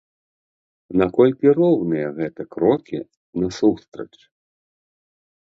Наколькі роўныя гэта крокі насустрач?